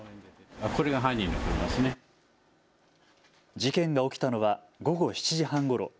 事件が起きたのは午後７時半ごろ。